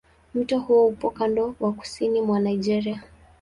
Mto huo upo ukanda wa kusini mwa Nigeria.